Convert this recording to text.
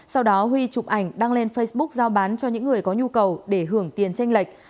sau đó huy chụp ảnh đăng lên facebook giao bán cho những người có nhu cầu để hưởng tiền tranh lệch